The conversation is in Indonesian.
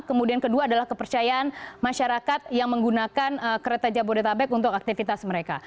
kemudian kedua adalah kepercayaan masyarakat yang menggunakan kereta jabodetabek untuk aktivitas mereka